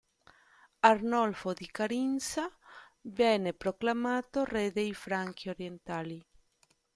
Arnolfo di Carinzia venne proclamato re dei Franchi orientali.